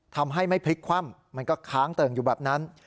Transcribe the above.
ทำให้ไม่พลิกคว่ำมันก็ค้างเติ่งอยู่แบบนั้น